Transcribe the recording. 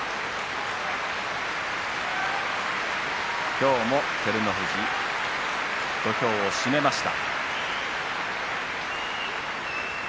今日も照ノ富士土俵を締めました。